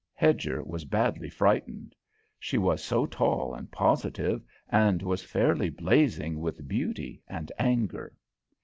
Hedger was badly frightened. She was so tall and positive, and was fairly blazing with beauty and anger.